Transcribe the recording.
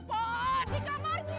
tolong diri gak